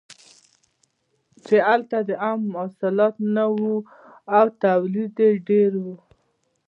چې هلته د عم حاصلات نه وو او تولید یې ډېر و.